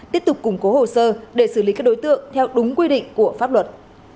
tiếp tục củng cố hồ sơ để xử lý các đối tượng theo đúng quy định của pháp luật